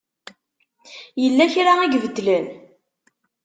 Yella kra i ibeddlen?